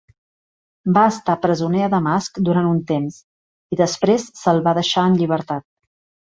Va estar presoner a Damasc durant un temps, i després se'l va deixar en llibertat.